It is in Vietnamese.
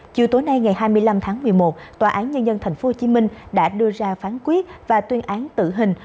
chiều tối nay ngày hai mươi năm tháng một mươi một tòa án nhân dân tp hcm đã đưa ra phán quyết và tuyên án tử hình